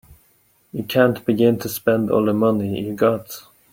You can't begin to spend all the money you've got.